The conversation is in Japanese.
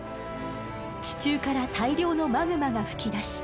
地中から大量のマグマが噴き出し